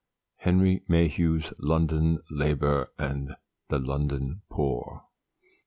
_Henry Mayhew's London Labour and the London Poor.